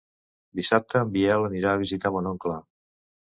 Dissabte en Biel anirà a visitar mon oncle.